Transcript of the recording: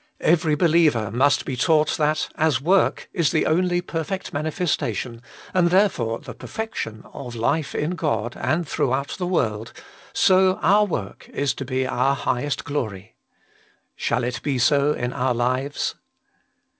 Every believer must be taught that, as work is the only perfect manifestation, and there fore the perfection of hfe in God and throughout the world, so our work is to be our highest glory. Shall it be so in our lives